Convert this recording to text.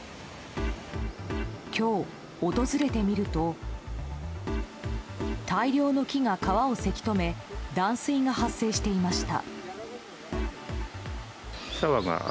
今日、訪れてみると大量の木が川をせき止め断水が発生していました。